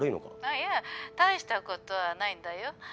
☎いや大したことはないんだよ。